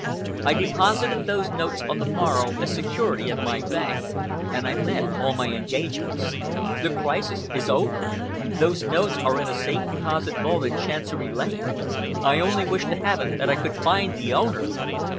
I deposited those notes on the morrow as security at my bank, and I met all my engagements. The crisis is over! Those notes are in a safe deposit vault in Chancery Lane! I only wish to Heaven that I could find the owner!"